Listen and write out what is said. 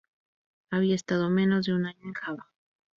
Había estado menos de un año en Java.